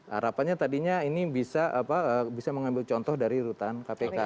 harapannya tadinya ini bisa mengambil contoh dari rutan kpk